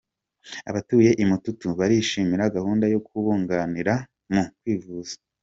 Abatuye i Mututu barishimira gahunda yo kubunganira mu kwivuza